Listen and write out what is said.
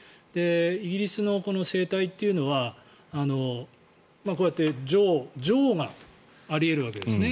イギリスの政体というのはこうやって女王があり得るわけですよね。